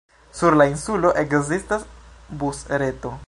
Sur la insulo ekzistas busreto.